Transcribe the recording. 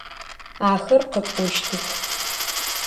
Ахэр къэкӏощтых.